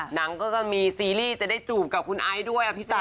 หนังก็จะมีซีรีส์จะได้จูบกับคุณไอซ์ด้วยอภิษา